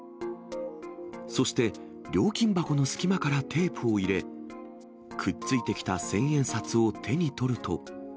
そして、料金箱の隙間からテープを入れ、くっついてきた千円札を手に取ると。